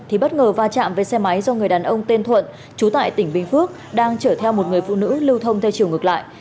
thì bất ngờ va chạm với xe máy do người đàn ông tên thuận trú tại tỉnh bình phước đang chở theo một người phụ nữ lưu thông theo chiều ngược lại